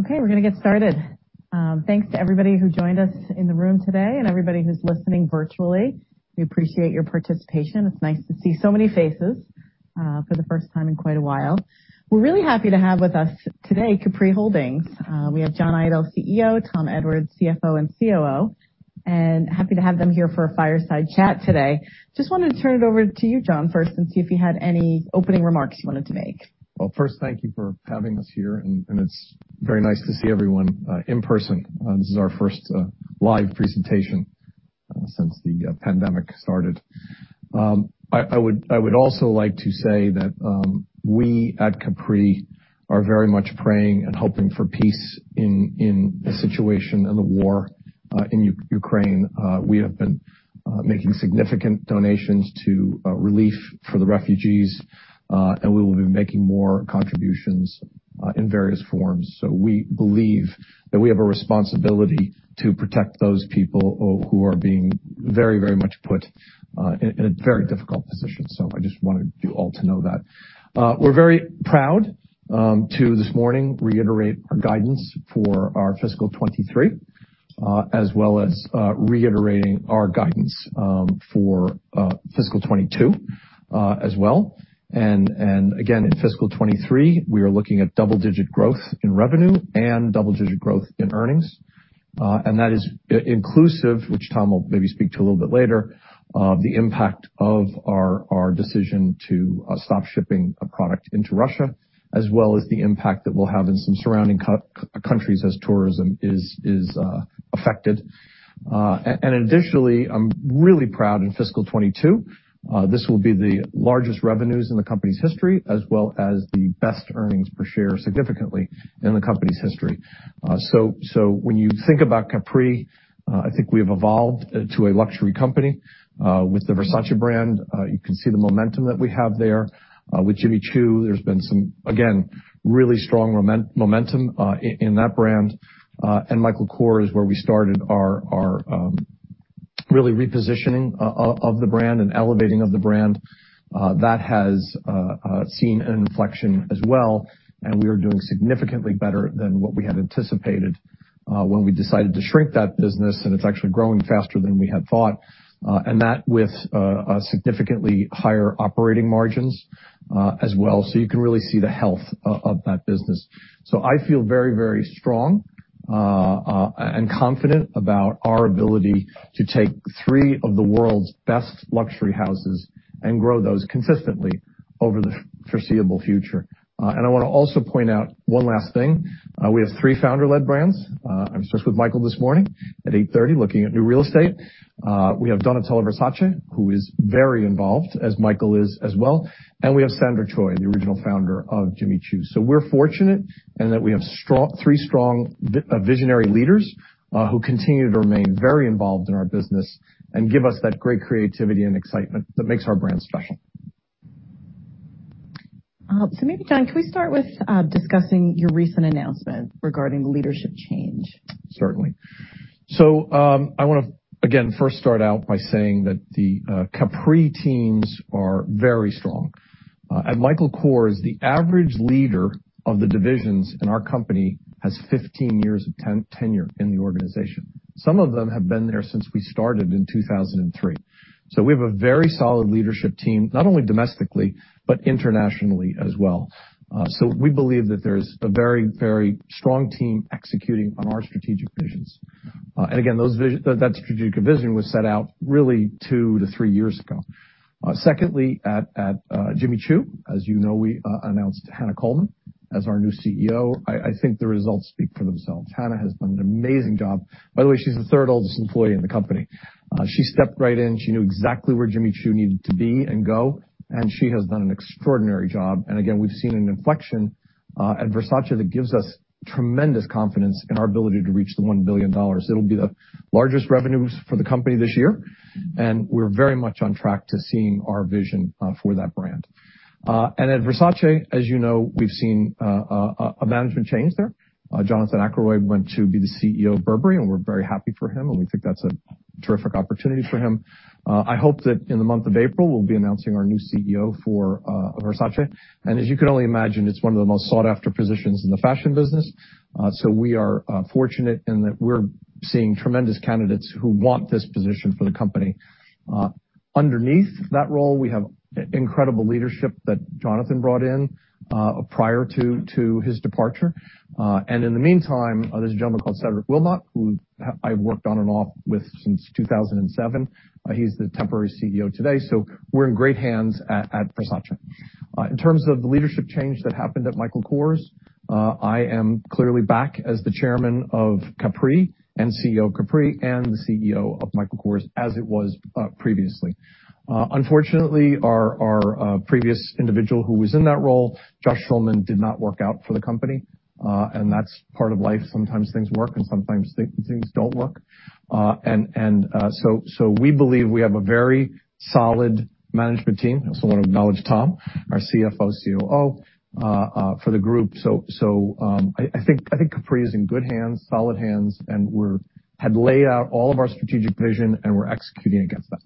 Okay, we're gonna get started. Thanks to everybody who joined us in the room today and everybody who's listening virtually. We appreciate your participation. It's nice to see so many faces for the first time in quite a while. We're really happy to have with us today, Capri Holdings. We have John Idol, CEO, Tom Edwards, CFO and COO, and happy to have them here for a fireside chat today. Just wanted to turn it over to you, John, first and see if you had any opening remarks you wanted to make. Well, first, thank you for having us here, and it's very nice to see everyone in person. This is our first live presentation since the pandemic started. I would also like to say that we at Capri are very much praying and hoping for peace in the situation and the war in Ukraine. We have been making significant donations to relief for the refugees, and we will be making more contributions in various forms. We believe that we have a responsibility to protect those people who are being very much put in a very difficult position. I just wanted you all to know that. We're very proud this morning to reiterate our guidance for our fiscal 2023 as well as reiterating our guidance for fiscal 2022 as well. Again, in fiscal 2023, we are looking at double-digit growth in revenue and double-digit growth in earnings. That is inclusive, which Tom will maybe speak to a little bit later, of the impact of our decision to stop shipping a product into Russia, as well as the impact that we'll have in some surrounding countries as tourism is affected. Additionally, I'm really proud in fiscal 2022 this will be the largest revenues in the company's history, as well as the best earnings per share significantly in the company's history. When you think about Capri, I think we have evolved to a luxury company with the Versace brand. You can see the momentum that we have there. With Jimmy Choo, there's been some, again, really strong momentum in that brand. Michael Kors is where we started our really repositioning of the brand and elevating of the brand that has seen an inflection as well, and we are doing significantly better than what we had anticipated when we decided to shrink that business, and it's actually growing faster than we had thought, and that, with a significantly higher operating margins as well. You can really see the health of that business. I feel very, very strong and confident about our ability to take three of the world's best luxury houses and grow those consistently over the foreseeable future. I wanna also point out one last thing. We have three founder-led brands. I was just with Michael this morning at 8:30 A.M., looking at new real estate. We have Donatella Versace, who is very involved as Michael is as well. We have Sandra Choi, the original founder of Jimmy Choo. We're fortunate in that we have three strong visionary leaders who continue to remain very involved in our business and give us that great creativity and excitement that makes our brand special. Maybe, John, can we start with discussing your recent announcement regarding leadership change? Certainly. I wanna, again, first start out by saying that the Capri teams are very strong. At Michael Kors, the average leader of the divisions in our company has 15 years of tenure in the organization. Some of them have been there since we started in 2003. We have a very solid leadership team, not only domestically, but internationally as well. We believe that there's a very, very strong team executing on our strategic visions. That strategic vision was set out really 2-3 years ago. Secondly, at Jimmy Choo, as you know, we announced Hannah Colman as our new CEO. I think the results speak for themselves. Hannah has done an amazing job. By the way, she's the third oldest employee in the company. She stepped right in. She knew exactly where Jimmy Choo needed to be and go, and she has done an extraordinary job. Again, we've seen an inflection at Versace that gives us tremendous confidence in our ability to reach $1 billion. It'll be the largest revenues for the company this year, and we're very much on track to seeing our vision for that brand. At Versace, as you know, we've seen a management change there. Jonathan Akeroyd went to be the CEO of Burberry, and we're very happy for him, and we think that's a terrific opportunity for him. I hope that in the month of April, we'll be announcing our new CEO for Versace. As you can only imagine, it's one of the most sought-after positions in the fashion business. We are fortunate in that we're seeing tremendous candidates who want this position for the company. Underneath that role, we have incredible leadership that Jonathan brought in prior to his departure. In the meantime, there's a gentleman called Cedric Wilmotte, who I've worked on and off with since 2007. He's the temporary CEO today, so we're in great hands at Versace. In terms of the leadership change that happened at Michael Kors, I am clearly back as the Chairman of Capri and CEO of Capri and the CEO of Michael Kors as it was previously. Unfortunately, our previous individual who was in that role, Josh Schulman, did not work out for the company, and that's part of life. Sometimes things work, and sometimes things don't work. We believe we have a very solid management team. I also wanna acknowledge Tom, our CFO, COO, for the group. I think Capri is in good hands, solid hands, and we had laid out all of our strategic vision, and we're executing against that.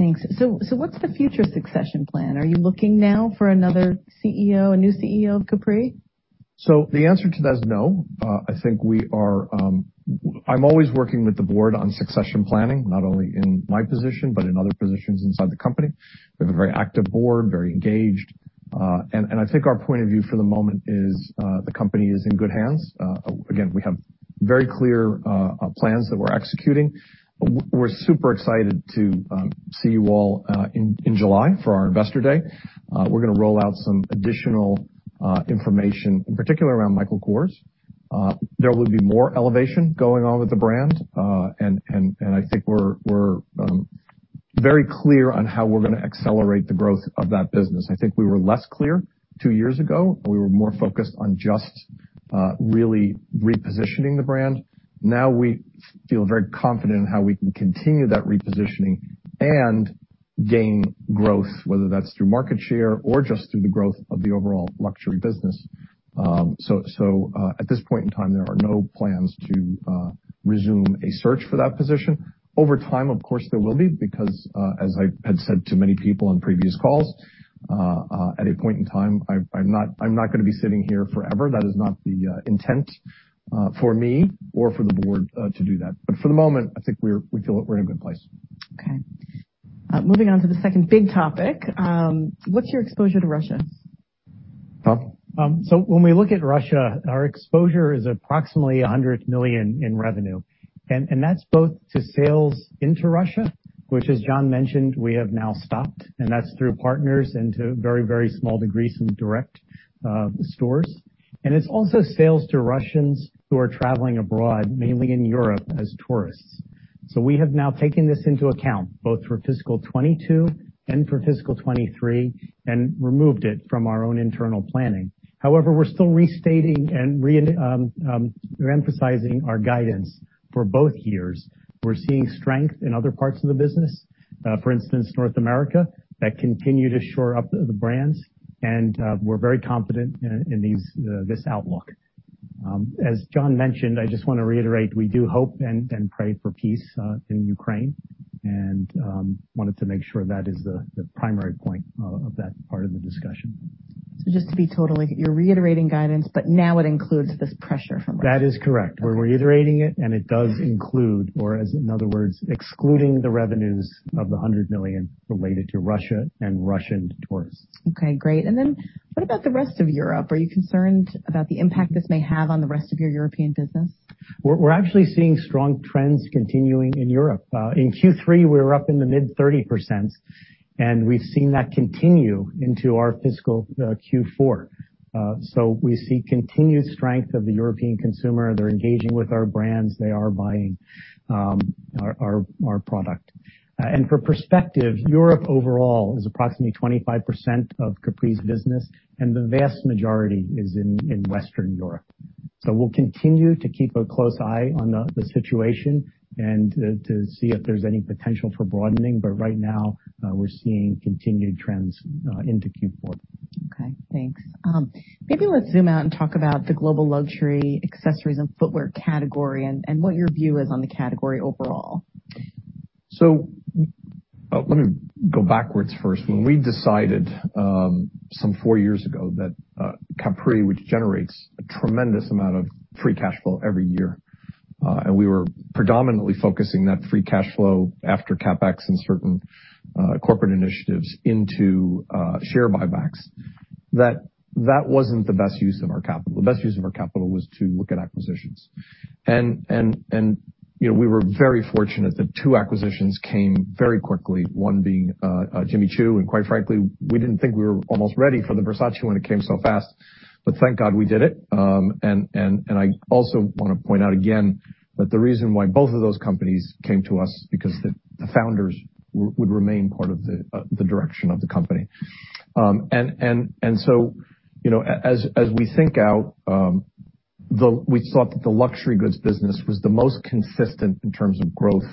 Thanks. What's the future succession plan? Are you looking now for another CEO, a new CEO of Capri? The answer to that is no. I'm always working with the board on succession planning, not only in my position, but in other positions inside the company. We have a very active board, very engaged. I think our point of view for the moment is, the company is in good hands. Again, we have very clear plans that we're executing. We're super excited to see you all in July for our Investor Day. We're gonna roll out some additional information, in particular around Michael Kors. There will be more elevation going on with the brand. I think we're very clear on how we're gonna accelerate the growth of that business. I think we were less clear two years ago, and we were more focused on just really repositioning the brand. Now we feel very confident in how we can continue that repositioning and gain growth, whether that's through market share or just through the growth of the overall luxury business. So, at this point in time, there are no plans to resume a search for that position. Over time, of course, there will be because as I had said to many people on previous calls, at a point in time, I'm not gonna be sitting here forever. That is not the intent for me or for the board to do that. For the moment, I think we feel we're in a good place. Okay. Moving on to the second big topic, what's your exposure to Russia? Tom? When we look at Russia, our exposure is approximately $100 million in revenue. And that's both to sales into Russia, which as John mentioned, we have now stopped, and that's through partners and to a very small degree, some direct stores. It's also sales to Russians who are traveling abroad, mainly in Europe, as tourists. We have now taken this into account, both for fiscal 2022 and for fiscal 2023, and removed it from our own internal planning. However, we're still restating and re-emphasizing our guidance for both years. We're seeing strength in other parts of the business, for instance, North America, that continue to shore up the brands. We're very confident in this outlook. As John mentioned, I just wanna reiterate, we do hope and pray for peace in Ukraine, and wanted to make sure that is the primary point of that part of the discussion. You're reiterating guidance, but now it includes this pressure from Russia. That is correct. We're reiterating it, and it does include, or as in other words, excluding the revenues of $100 million related to Russia and Russian tourists. Okay, great. What about the rest of Europe? Are you concerned about the impact this may have on the rest of your European business? We're actually seeing strong trends continuing in Europe. In Q3, we were up in the mid-30%, and we've seen that continue into our fiscal Q4. We see continued strength of the European consumer. They're engaging with our brands. They are buying our product. For perspective, Europe overall is approximately 25% of Capri's business, and the vast majority is in Western Europe. We'll continue to keep a close eye on the situation and to see if there's any potential for broadening. Right now, we're seeing continued trends into Q4. Okay. Thanks. Maybe let's zoom out and talk about the global luxury accessories and footwear category and what your view is on the category overall. Let me go backwards first. When we decided some four years ago that Capri, which generates a tremendous amount of free cash flow every year, and we were predominantly focusing that free cash flow after CapEx and certain corporate initiatives into share buybacks, that wasn't the best use of our capital. The best use of our capital was to look at acquisitions. You know, we were very fortunate that two acquisitions came very quickly, one being Jimmy Choo, and quite frankly, we didn't think we were almost ready for the Versace when it came so fast. Thank God we did it. I also want to point out again that the reason why both of those companies came to us because the founders would remain part of the direction of the company. You know, as we think about, we thought that the luxury goods business was the most consistent in terms of growth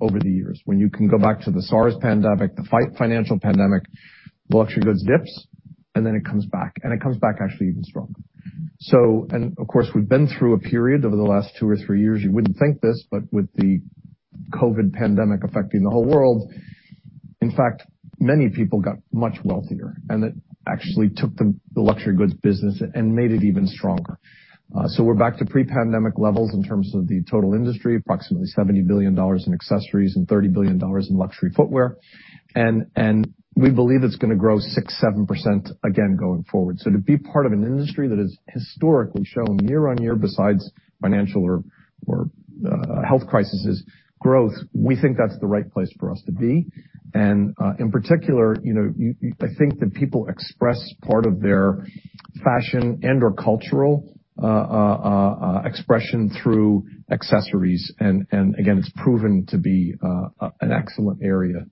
over the years. When you can go back to the SARS pandemic, the financial pandemic, the luxury goods dips, and then it comes back, and it comes back actually even stronger. Of course, we've been through a period over the last two or three years, you wouldn't think this, but with the COVID pandemic affecting the whole world, in fact, many people got much wealthier, and it actually took the luxury goods business and made it even stronger. We're back to pre-pandemic levels in terms of the total industry, approximately $70 billion in accessories and $30 billion in luxury footwear. We believe it's gonna grow 6%-7% again going forward. To be part of an industry that has historically shown year-on-year, besides financial or health crises, growth, we think that's the right place for us to be. In particular, you know, I think that people express part of their fashion and/or cultural expression through accessories. Again, it's proven to be an excellent area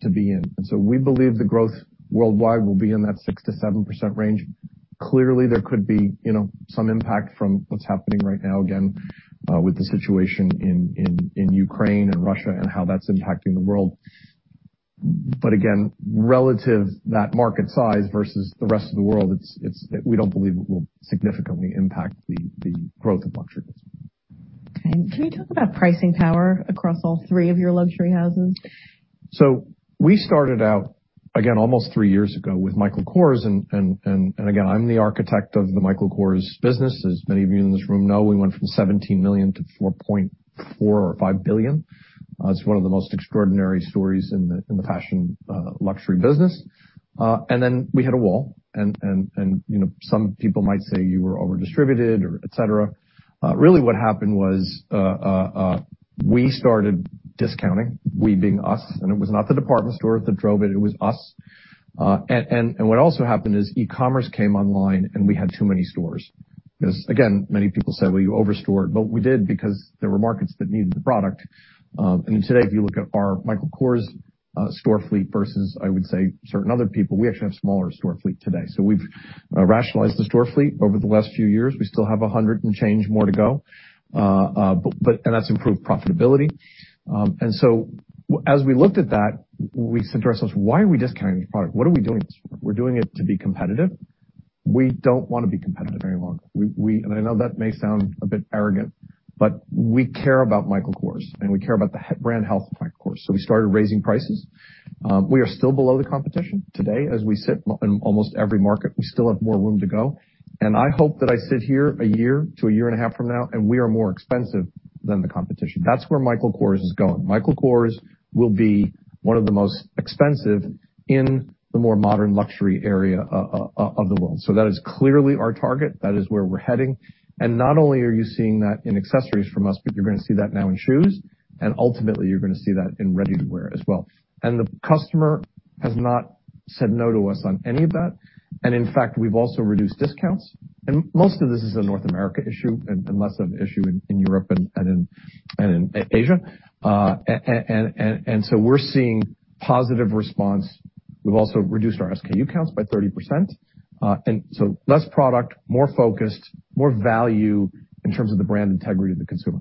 to be in. We believe the growth worldwide will be in that 6%-7% range. Clearly, there could be, you know, some impact from what's happening right now, again, with the situation in Ukraine and Russia and how that's impacting the world. Again, relative to that market size versus the rest of the world, it's we don't believe it will significantly impact the growth of luxury goods. Okay. Can you talk about pricing power across all three of your luxury houses? We started out, again, almost three years ago with Michael Kors. Again, I'm the architect of the Michael Kors business. As many of you in this room know, we went from $17 million to $4.4 or $5 billion. It's one of the most extraordinary stories in the fashion luxury business. Then we hit a wall and you know, some people might say you were over-distributed or etc. Really what happened was, we started discounting, we being us, and it was not the department store that drove it was us. What also happened is e-commerce came online, and we had too many stores. Because, again, many people said, "Well, you over-stored," but we did because there were markets that needed the product. Today, if you look at our Michael Kors store fleet versus, I would say, certain other people, we actually have a smaller store fleet today. We've rationalized the store fleet over the last few years. We still have 100 and change more to go. That's improved profitability. As we looked at that, we said to ourselves, "Why are we discounting this product? What are we doing with the store? We're doing it to be competitive." We don't wanna be competitive very long. I know that may sound a bit arrogant, but we care about Michael Kors, and we care about the brand health of Michael Kors, so we started raising prices. We are still below the competition today as we sit in almost every market. We still have more room to go. I hope that I sit here a year to a year and a half from now, and we are more expensive than the competition. That's where Michael Kors is going. Michael Kors will be one of the most expensive in the more modern luxury area of the world. That is clearly our target. That is where we're heading. Not only are you seeing that in accessories from us, but you're gonna see that now in shoes. Ultimately, you're gonna see that in ready-to-wear as well. The customer has not said no to us on any of that. In fact, we've also reduced discounts. Most of this is a North America issue and less of an issue in Europe and in Asia. And so we're seeing positive response. We've also reduced our SKU counts by 30%. Less product, more focused, more value in terms of the brand integrity to consumer.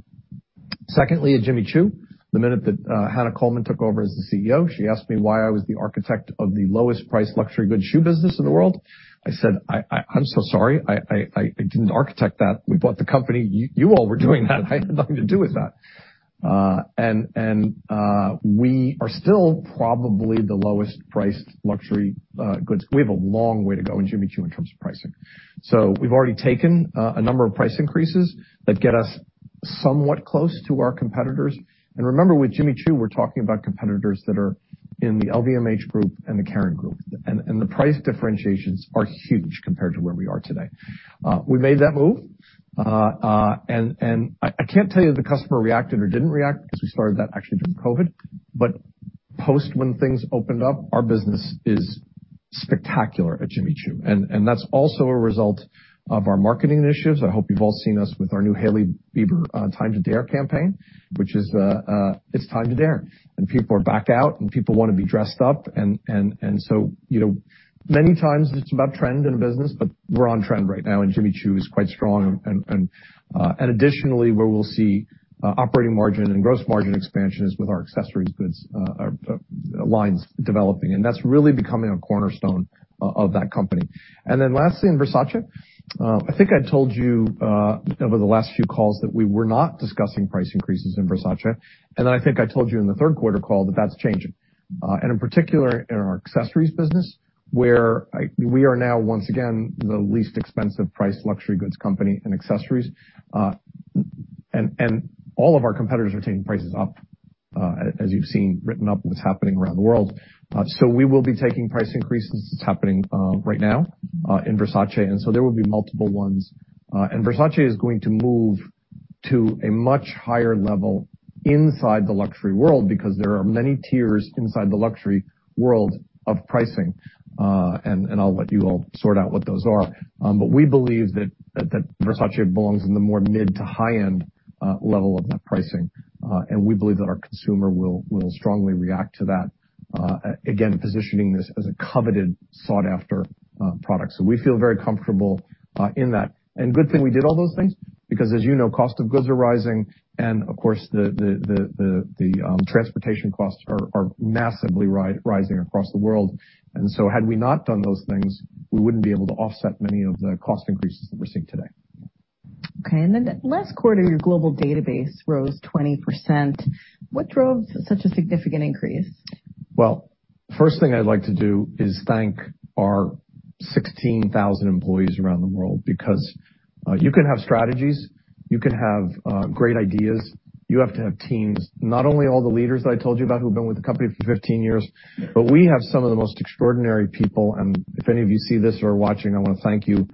Secondly, at Jimmy Choo, the minute that Hannah Colman took over as the CEO, she asked me why I was the architect of the lowest priced luxury goods shoe business in the world. I said, "I'm so sorry. I didn't architect that. We bought the company. You all were doing that. I had nothing to do with that." We are still probably the lowest priced luxury goods. We have a long way to go in Jimmy Choo in terms of pricing. We've already taken a number of price increases that get us somewhat close to our competitors. Remember, with Jimmy Choo, we're talking about competitors that are in the LVMH group and the Kering group, and the price differentiations are huge compared to where we are today. We made that move. I can't tell you if the customer reacted or didn't react, because we started that actually during COVID, but post when things opened up, our business is spectacular at Jimmy Choo. That's also a result of our marketing initiatives. I hope you've all seen us with our new Hailey Bieber Time to Dare campaign, which is, it's time to dare. People are back out, and people wanna be dressed up, and so, you know, many times it's about trend in a business, but we're on trend right now, and Jimmy Choo is quite strong. Additionally, where we'll see operating margin and gross margin expansion is with our accessories goods lines developing, and that's really becoming a cornerstone of that company. Lastly, in Versace, I think I told you over the last few calls that we were not discussing price increases in Versace. I think I told you in the third quarter call that that's changing. In particular, in our accessories business, where we are now, once again, the least expensive priced luxury goods company in accessories. All of our competitors are taking prices up, as you've seen written up what's happening around the world. We will be taking price increases. It's happening right now in Versace, so there will be multiple ones. Versace is going to move to a much higher level inside the luxury world, because there are many tiers inside the luxury world of pricing. I'll let you all sort out what those are. We believe that Versace belongs in the more mid to high-end level of that pricing, and we believe that our consumer will strongly react to that, again, positioning this as a coveted, sought-after product. We feel very comfortable in that. Good thing we did all those things, because as you know, cost of goods are rising and, of course, the transportation costs are massively rising across the world. Had we not done those things, we wouldn't be able to offset many of the cost increases that we're seeing today. Okay. Last quarter, your global database rose 20%. What drove such a significant increase? Well, first thing I'd like to do is thank our 16,000 employees around the world, because you can have strategies, you can have great ideas, you have to have teams. Not only all the leaders that I told you about who've been with the company for 15 years, but we have some of the most extraordinary people, and if any of you see this or are watching, I wanna thank you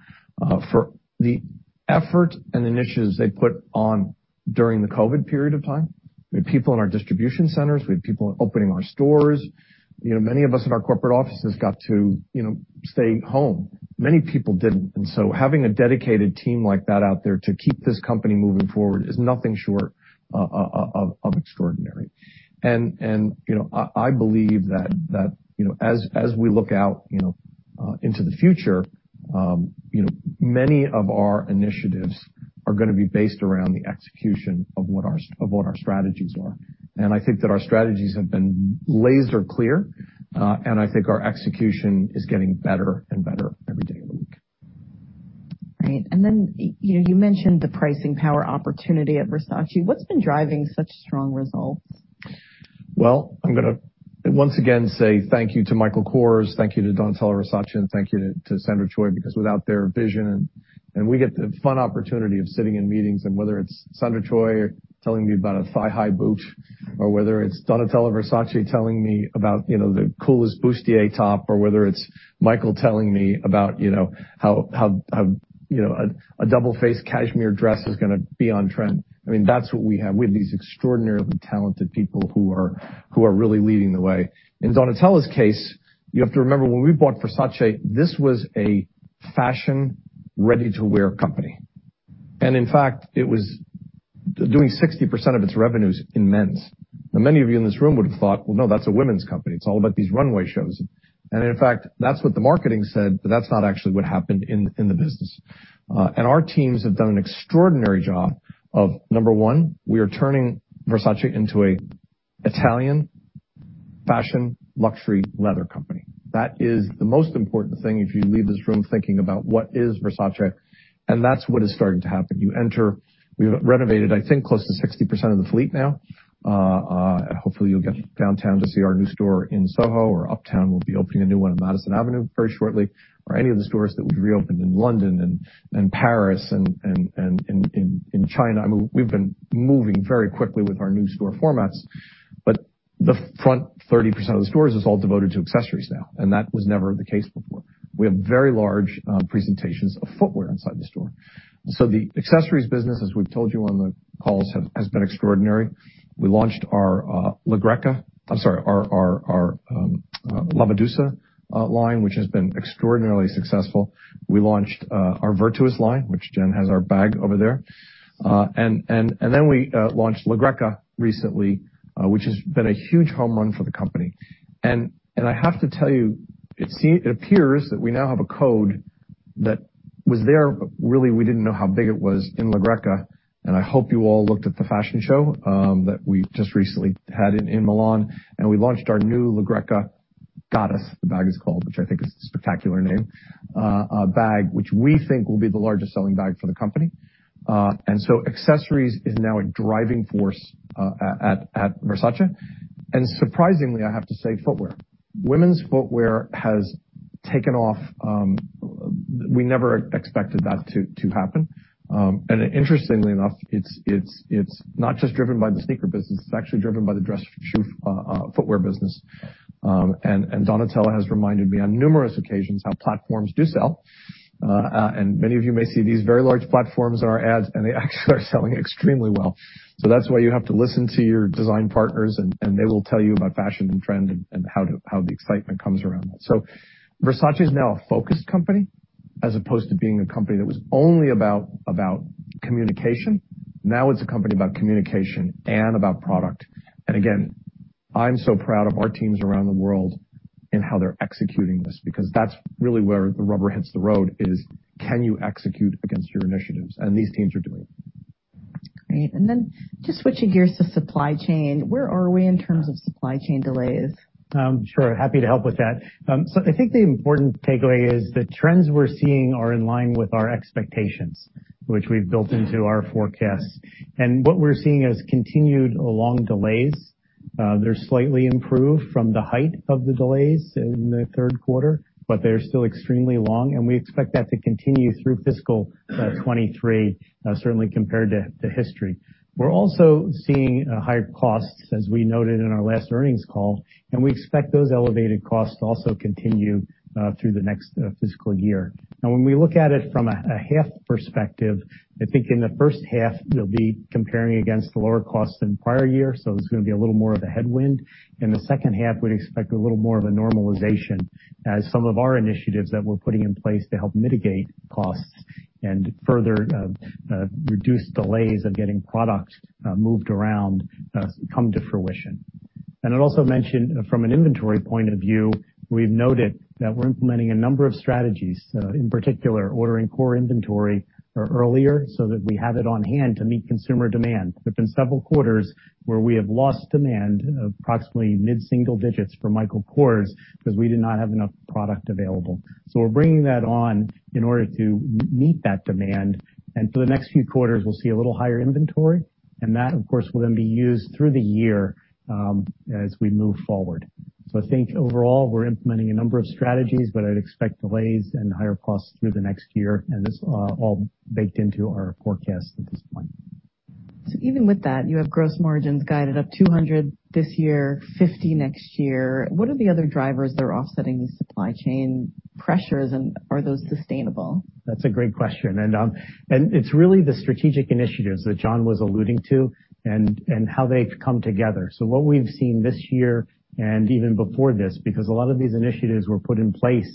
for the effort and initiatives they put on during the COVID period of time. We had people in our distribution centers. We had people opening our stores. You know, many of us in our corporate offices got to, you know, stay home. Many people didn't. Having a dedicated team like that out there to keep this company moving forward is nothing short of extraordinary. You know, I believe that you know, as we look out, you know, into the future, you know, many of our initiatives are gonna be based around the execution of what our strategies are. I think that our strategies have been laser clear, and I think our execution is getting better and better every day. Right. You know, you mentioned the pricing power opportunity at Versace. What's been driving such strong results? Well, I'm gonna once again say thank you to Michael Kors, thank you to Donatella Versace, and thank you to Sandra Choi, because without their vision, we get the fun opportunity of sitting in meetings, and whether it's Sandra Choi telling me about a thigh-high boot or whether it's Donatella Versace telling me about, you know, the coolest bustier top or whether it's Michael telling me about, you know, how, you know, a double-faced cashmere dress is gonna be on trend. I mean, that's what we have. We have these extraordinarily talented people who are really leading the way. In Donatella's case, you have to remember, when we bought Versace, this was a fashion ready-to-wear company. In fact, it was doing 60% of its revenues in men's. Now many of you in this room would have thought, well, no, that's a women's company. It's all about these runway shows. In fact, that's what the marketing said, but that's not actually what happened in the business. Our teams have done an extraordinary job of, number one, we are turning Versace into an Italian fashion luxury leather company. That is the most important thing if you leave this room thinking about what is Versace, and that's what is starting to happen. We've renovated, I think, close to 60% of the fleet now. Hopefully you'll get downtown to see our new store in Soho or uptown. We'll be opening a new one on Madison Avenue very shortly. Or any of the stores that we've reopened in London and Paris and in China. I mean, we've been moving very quickly with our new store formats. The front 30% of the stores is all devoted to accessories now, and that was never the case before. We have very large presentations of footwear inside the store. The accessories business, as we've told you on the calls, has been extraordinary. We launched our La Medusa line, which has been extraordinarily successful. We launched our Virtus line, which Jen has our bag over there. Then we launched La Greca recently, which has been a huge home run for the company. I have to tell you, it appears that we now have a code that was there, but really we didn't know how big it was in La Greca, and I hope you all looked at the fashion show that we just recently had in Milan. We launched our new La Greca Goddess, the bag is called, which I think is a spectacular name, a bag which we think will be the largest-selling bag for the company. Accessories is now a driving force at Versace. Surprisingly, I have to say, women's footwear has taken off. We never expected that to happen. Interestingly enough, it's not just driven by the sneaker business, it's actually driven by the dress shoe footwear business. Donatella has reminded me on numerous occasions how platforms do sell. Many of you may see these very large platforms in our ads, and they actually are selling extremely well. That's why you have to listen to your design partners, and they will tell you about fashion and trend and how the excitement comes around that. Versace is now a focused company as opposed to being a company that was only about communication. Now it's a company about communication and about product. Again, I'm so proud of our teams around the world and how they're executing this, because that's really where the rubber hits the road, can you execute against your initiatives? These teams are doing it. Great. Just switching gears to supply chain, where are we in terms of supply chain delays? Sure. Happy to help with that. I think the important takeaway is the trends we're seeing are in line with our expectations, which we've built into our forecasts. What we're seeing is continued long delays. They're slightly improved from the height of the delays in the third quarter, but they're still extremely long, and we expect that to continue through fiscal 2023, certainly compared to history. We're also seeing higher costs, as we noted in our last earnings call, and we expect those elevated costs to also continue through the next fiscal year. Now when we look at it from a half perspective, I think in the first half, we'll be comparing against the lower costs than prior year, so it's gonna be a little more of a headwind. In the second half, we'd expect a little more of a normalization as some of our initiatives that we're putting in place to help mitigate costs and further reduce delays of getting product moved around come to fruition. I'd also mention, from an inventory point of view, we've noted that we're implementing a number of strategies in particular, ordering core inventory earlier so that we have it on hand to meet consumer demand. There's been several quarters where we have lost demand, approximately mid-single digits for Michael Kors, because we did not have enough product available. We're bringing that on in order to meet that demand. For the next few quarters, we'll see a little higher inventory, and that, of course, will then be used through the year as we move forward. I think overall, we're implementing a number of strategies, but I'd expect delays and higher costs through the next year, and this, all baked into our forecast at this point. Even with that, you have gross margins guided up 200 this year, 50 next year. What are the other drivers that are offsetting the supply chain pressures, and are those sustainable? That's a great question. It's really the strategic initiatives that John was alluding to and how they've come together. What we've seen this year and even before this, because a lot of these initiatives were put in place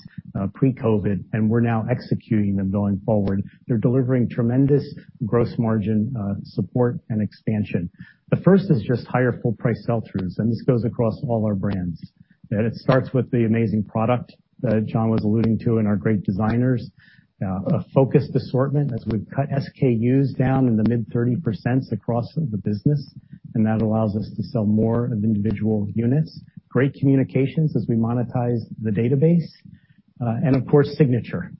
pre-COVID, and we're now executing them going forward. They're delivering tremendous gross margin support and expansion. The first is just higher full price sell-throughs, and this goes across all our brands. It starts with the amazing product that John was alluding to and our great designers. A focused assortment as we've cut SKUs down in the mid-30%s across the business, and that allows us to sell more of individual units. Great communications as we monetize the database. Of course, Signature.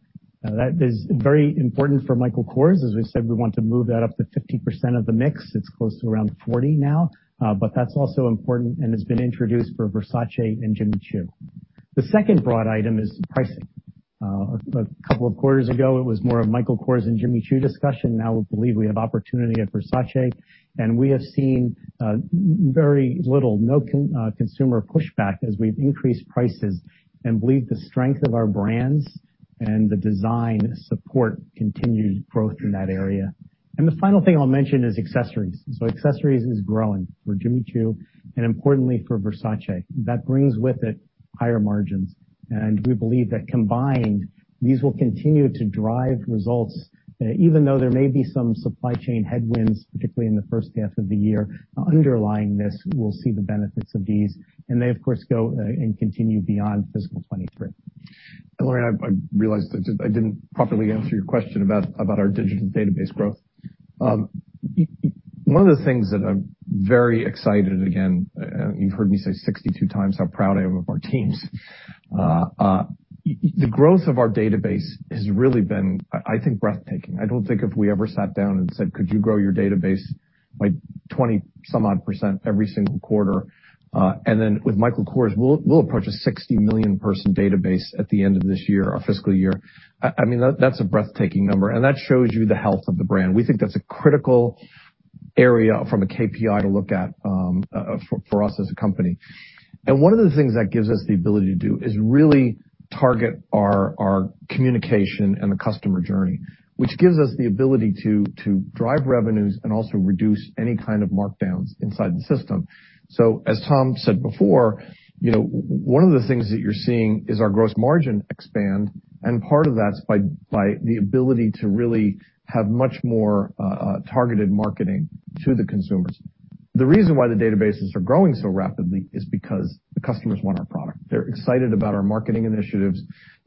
Now that is very important for Michael Kors. As we said, we want to move that up to 50% of the mix. It's close to around 40% now. But that's also important and has been introduced for Versace and Jimmy Choo. The second broad item is pricing. A couple of quarters ago, it was more of Michael Kors and Jimmy Choo discussion. Now we believe we have opportunity at Versace, and we have seen very little, no consumer pushback as we've increased prices and believe the strength of our brands and the design support continued growth in that area. The final thing I'll mention is accessories. Accessories is growing for Jimmy Choo and importantly for Versace. That brings with it higher margins. We believe that combined, these will continue to drive results, even though there may be some supply chain headwinds, particularly in the first half of the year. Underlying this, we'll see the benefits of these, and they, of course, go and continue beyond fiscal 2023. Lauren, I realized that I didn't properly answer your question about our digital database growth. One of the things that I'm very excited, again, you've heard me say 62 times how proud I am of our teams. The growth of our database has really been, I think, breathtaking. I don't think if we ever sat down and said, "Could you grow your database by 20-some odd% every single quarter?" Then with Michael Kors, we'll approach a 60 million person database at the end of this year, our fiscal year. I mean, that's a breathtaking number, and that shows you the health of the brand. We think that's a critical area from a KPI to look at, for us as a company. One of the things that gives us the ability to do is really target our communication and the customer journey, which gives us the ability to drive revenues and also reduce any kind of markdowns inside the system. As Tom said before, you know, one of the things that you're seeing is our gross margin expand, and part of that's by the ability to really have much more targeted marketing to the consumers. The reason why the databases are growing so rapidly is because the customers want our product. They're excited about our marketing initiatives.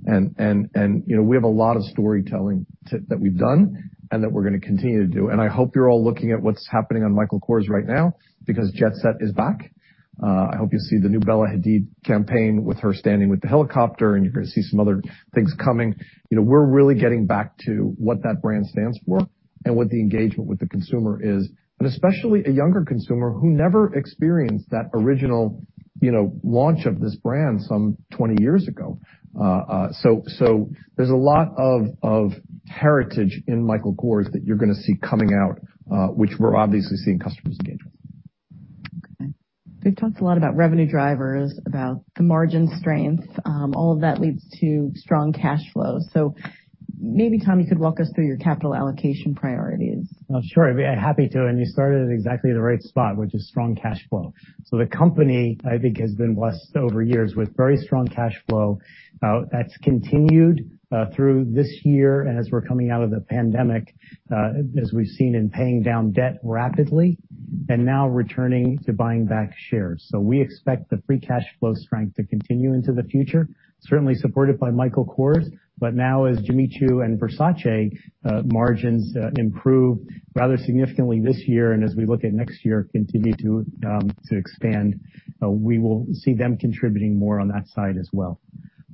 You know, we have a lot of storytelling that we've done and that we're gonna continue to do. I hope you're all looking at what's happening on Michael Kors right now because Jet Set is back. I hope you see the new Bella Hadid campaign with her standing with the helicopter, and you're gonna see some other things coming. You know, we're really getting back to what that brand stands for and what the engagement with the consumer is, and especially a younger consumer who never experienced that original, you know, launch of this brand some 20 years ago. There's a lot of heritage in Michael Kors that you're gonna see coming out, which we're obviously seeing customers engage with. Okay. We've talked a lot about revenue drivers, about the margin strength. All of that leads to strong cash flow. Maybe, Tom, you could walk us through your capital allocation priorities. Sure. I'd be happy to, and you started at exactly the right spot, which is strong cash flow. The company, I think, has been blessed over years with very strong cash flow, that's continued through this year and as we're coming out of the pandemic, as we've seen in paying down debt rapidly and now returning to buying back shares. We expect the free cash flow strength to continue into the future, certainly supported by Michael Kors. Now, as Jimmy Choo and Versace margins improve rather significantly this year, and as we look at next year, continue to expand, we will see them contributing more on that side as well.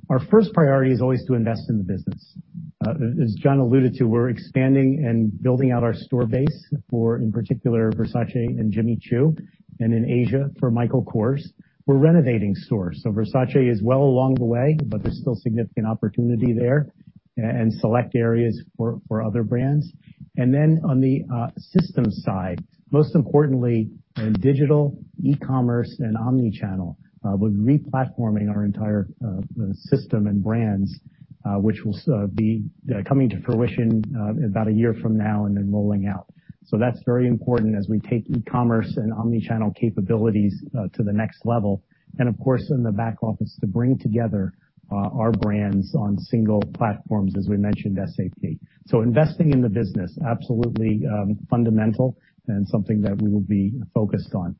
Our first priority is always to invest in the business. As John alluded to, we're expanding and building out our store base for, in particular, Versace and Jimmy Choo, and in Asia for Michael Kors. We're renovating stores, so Versace is well along the way, but there's still significant opportunity there and select areas for other brands. On the system side, most importantly in digital, e-commerce and omnichannel, we're replatforming our entire system and brands, which will be coming to fruition about a year from now and then rolling out. That's very important as we take e-commerce and omnichannel capabilities to the next level, and of course, in the back office to bring together our brands on single platforms, as we mentioned, SAP. Investing in the business, absolutely, fundamental and something that we will be focused on.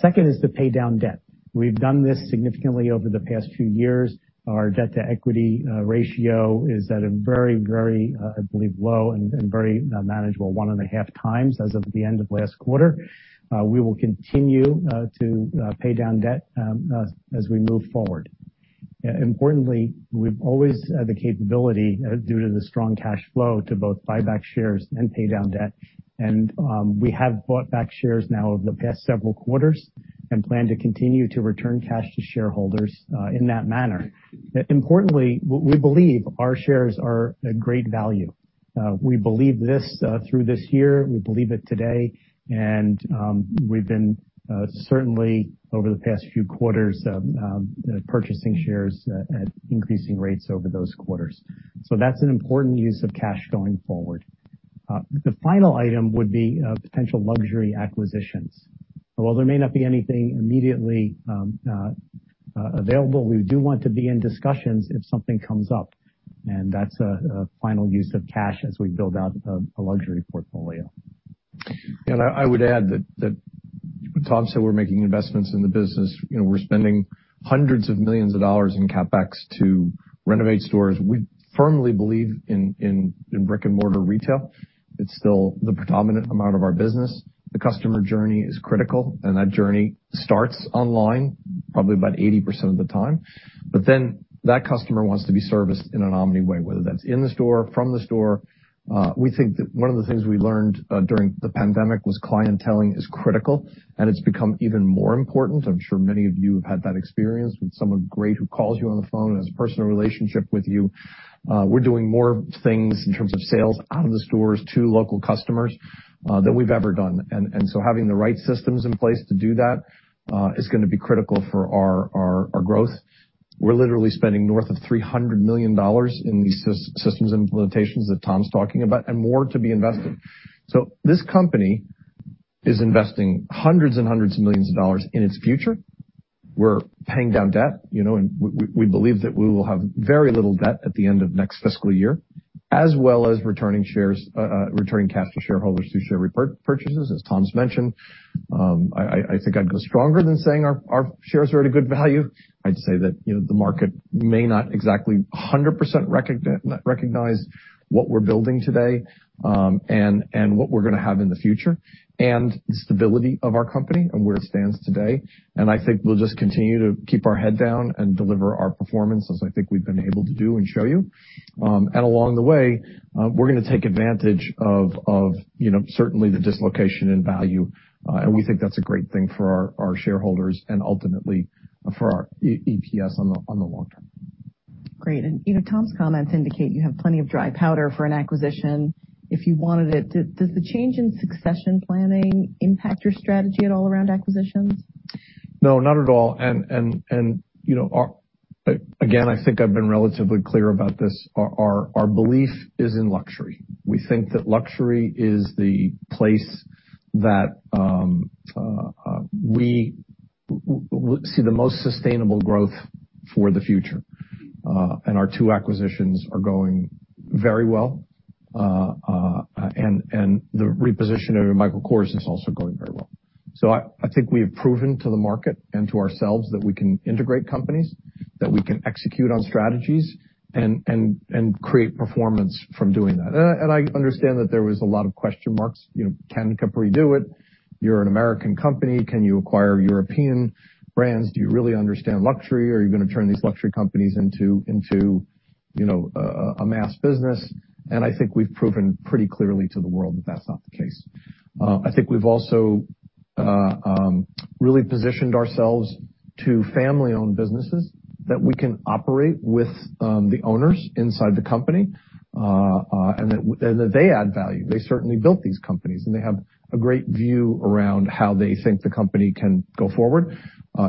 Second is to pay down debt. We've done this significantly over the past few years. Our debt-to-equity ratio is at a very, I believe, low and very manageable 1.5 times as of the end of last quarter. We will continue to pay down debt as we move forward. Importantly, we've always had the capability, due to the strong cash flow, to both buy back shares and pay down debt. We have bought back shares now over the past several quarters and plan to continue to return cash to shareholders in that manner. Importantly, we believe our shares are a great value. We believe this through this year, we believe it today, and we've been certainly over the past few quarters purchasing shares at increasing rates over those quarters. That's an important use of cash going forward. The final item would be potential luxury acquisitions. While there may not be anything immediately available, we do want to be in discussions if something comes up, and that's a final use of cash as we build out a luxury portfolio. I would add that Tom said we're making investments in the business. You know, we're spending hundreds of millions of dollars in CapEx to renovate stores. We firmly believe in brick-and-mortar retail. It's still the predominant amount of our business. The customer journey is critical, and that journey starts online. Probably about 80% of the time. Then that customer wants to be serviced in an omnichannel way, whether that's in the store, from the store. We think that one of the things we learned during the pandemic was clienteling is critical, and it's become even more important. I'm sure many of you have had that experience with someone great who calls you on the phone and has a personal relationship with you. We're doing more things in terms of sales out of the stores to local customers than we've ever done. Having the right systems in place to do that is gonna be critical for our growth. We're literally spending north of $300 million in these systems implementations that Tom's talking about and more to be invested. This company is investing hundreds and hundreds of millions of dollars in its future. We're paying down debt, you know, and we believe that we will have very little debt at the end of next fiscal year, as well as returning shares, returning cash to shareholders through share repurchases, as Tom's mentioned. I think I'd go stronger than saying our shares are at a good value. I'd say that, you know, the market may not exactly 100% recognize what we're building today, and what we're gonna have in the future, and the stability of our company and where it stands today. I think we'll just continue to keep our head down and deliver our performance, as I think we've been able to do and show you. Along the way, we're gonna take advantage of, you know, certainly the dislocation in value. We think that's a great thing for our shareholders and ultimately for our EPS on the long term. Great. You know, Tom's comments indicate you have plenty of dry powder for an acquisition if you wanted it. Does the change in succession planning impact your strategy at all around acquisitions? No, not at all. You know, again, I think I've been relatively clear about this. Our belief is in luxury. We think that luxury is the place that we will see the most sustainable growth for the future. Our two acquisitions are going very well. The repositioning of Michael Kors is also going very well. I think we have proven to the market and to ourselves that we can integrate companies, that we can execute on strategies and create performance from doing that. I understand that there was a lot of question marks. You know, can Capri do it? You're an American company. Can you acquire European brands? Do you really understand luxury? Are you gonna turn these luxury companies into you know, a mass business? I think we've proven pretty clearly to the world that that's not the case. I think we've also really positioned ourselves to family-owned businesses that we can operate with the owners inside the company, and that they add value. They certainly built these companies, and they have a great view around how they think the company can go forward.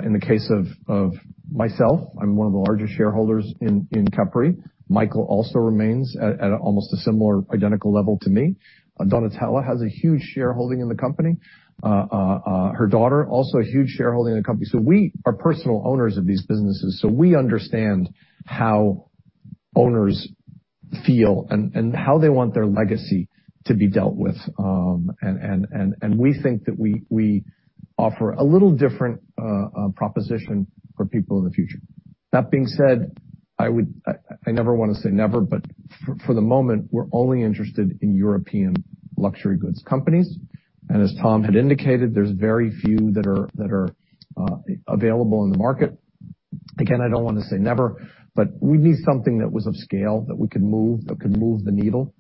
In the case of myself, I'm one of the largest shareholders in Capri. Michael also remains at almost a similar identical level to me. Donatella has a huge shareholding in the company. Her daughter also a huge shareholding in the company. We are personal owners of these businesses, so we understand how owners feel and how they want their legacy to be dealt with. We think that we offer a little different proposition for people in the future. That being said, I would I never wanna say never, but for the moment, we're only interested in European luxury goods companies. As Tom had indicated, there's very few that are available in the market. Again, I don't wanna say never, but we'd need something that was of scale, that we could move, that could move the needle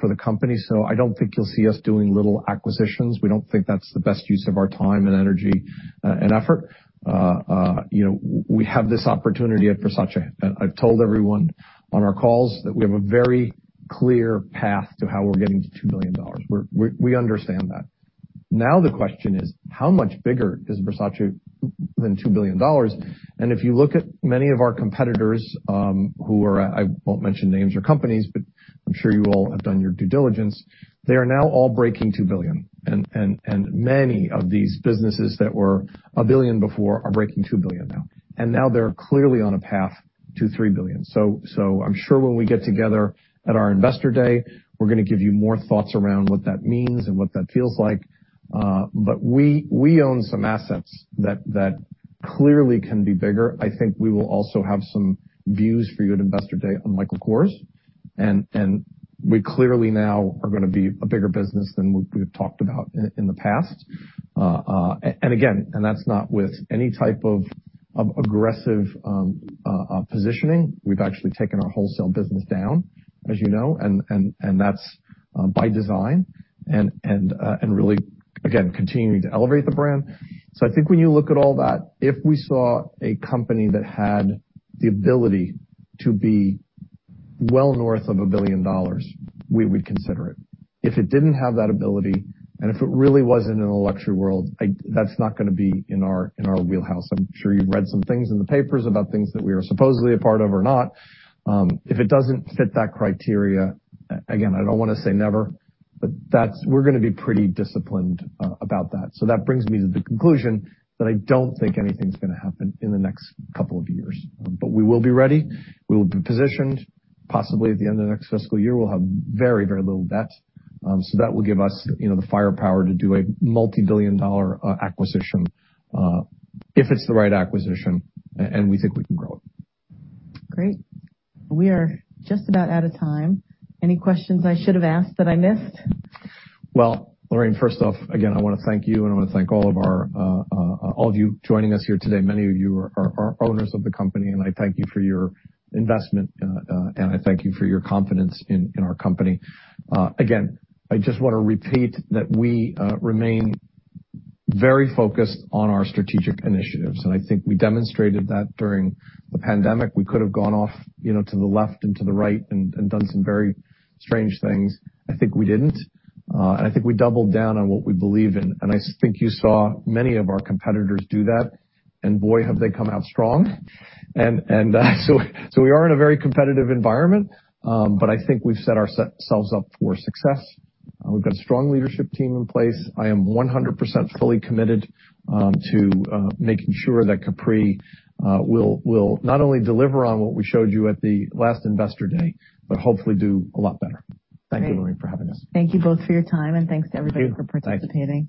for the company. I don't think you'll see us doing little acquisitions. We don't think that's the best use of our time and energy and effort. You know, we have this opportunity at Versace. I've told everyone on our calls that we have a very clear path to how we're getting to $2 billion. We understand that. Now the question is: How much bigger is Versace than $2 billion? If you look at many of our competitors, who are, I won't mention names or companies, but I'm sure you all have done your due diligence, they are now all breaking $2 billion. Many of these businesses that were $1 billion before are breaking $2 billion now. Now they're clearly on a path to $3 billion. I'm sure when we get together at our Investor Day, we're gonna give you more thoughts around what that means and what that feels like. We own some assets that clearly can be bigger. I think we will also have some views for you at Investor Day on Michael Kors. We clearly now are gonna be a bigger business than we've talked about in the past. That's not with any type of aggressive positioning. We've actually taken our wholesale business down, as you know, and that's by design and really, again, continuing to elevate the brand. I think when you look at all that, if we saw a company that had the ability to be well north of $1 billion, we would consider it. If it didn't have that ability and if it really wasn't in the luxury world, that's not gonna be in our wheelhouse. I'm sure you've read some things in the papers about things that we are supposedly a part of or not. If it doesn't fit that criteria, again, I don't wanna say never, but that's. We're gonna be pretty disciplined about that. That brings me to the conclusion that I don't think anything's gonna happen in the next couple of years. We will be ready. We will be positioned. Possibly at the end of the next fiscal year, we'll have very, very little debt. That will give us, you know, the firepower to do a multi-billion-dollar acquisition if it's the right acquisition and we think we can grow it. Great. We are just about out of time. Any questions I should have asked that I missed? Well, Lauren, first off, again, I wanna thank you, and I wanna thank all of you joining us here today. Many of you are owners of the company, and I thank you for your investment, and I thank you for your confidence in our company. Again, I just wanna repeat that we remain very focused on our strategic initiatives, and I think we demonstrated that during the pandemic. We could have gone off, you know, to the left and to the right and done some very strange things. I think we didn't. I think we doubled down on what we believe in. I think you saw many of our competitors do that, and boy, have they come out strong. We are in a very competitive environment, but I think we've set ourselves up for success. We've got a strong leadership team in place. I am 100% fully committed to making sure that Capri will not only deliver on what we showed you at the last Investor Day, but hopefully do a lot better. Thank you, Lauren, for having us. Thank you both for your time, and thanks to everybody for participating.